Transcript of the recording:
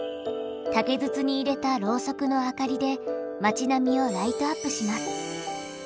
竹筒に入れたろうそくの明かりで町並みをライトアップします。